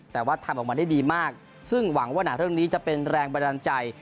แต่ว่าทำออกมาได้ดีมากซึ่งหวังว่าหนังเรื่องนี้จะเป็นแรงบันดาลใจ